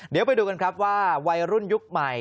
เดี๋ยวไปดูกันครับว่าวัยรุ่นยุคใหม่